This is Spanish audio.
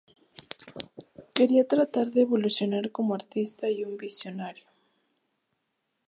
Quería tratar de evolucionar como artista y un visionario.